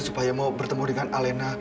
supaya mau bertemu dengan alena